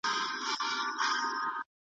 تا ولې خپلې سترګې په داسې غوسه پټې کړې؟